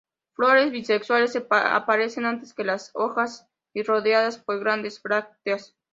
Flores bisexuales, que aparecen antes que las hojas y rodeadas por grandes brácteas.